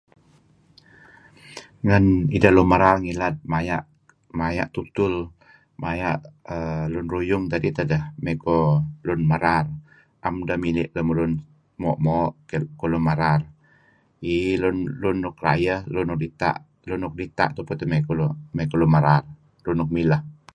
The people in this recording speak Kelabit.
Ngen ideh lun merar ngilad maya' maya' tutul maya' err lun ruyung dedih tideh mey kuh lun merar, am deh mili' lemulun moo'-moo' kuh lun merar. Iih lun lun nuk rayeh lun nuk dita lun nuk dita' tupu teh mey kuh lun merar lun nuk mileh.